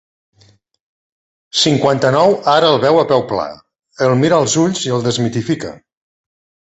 Cinquanta-nou ara el veu a peu pla, el mira als ulls i el desmitifica.